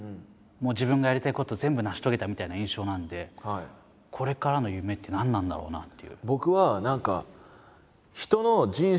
自分がやりたいこと全部成し遂げたみたいな印象なんでこれからの夢って何なんだろうなっていう。